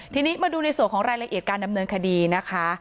ทีนี้มาดูในส่วนของรายละเอียดการดำเนินคดีนะคะ